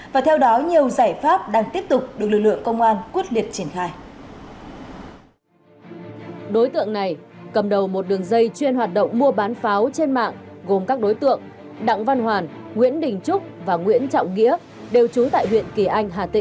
và theo đó nhiều giải pháp đang tiếp tục được lực lượng công an quyết liệt triển khai